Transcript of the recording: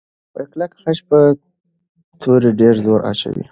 کلک خج پر توري ډېر زور اچوي.